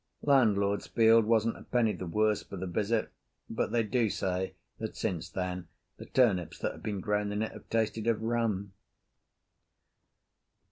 Landlord's field wasn't a penny the worse for the visit, but they do say that since then the turnips that have been grown in it have tasted of rum.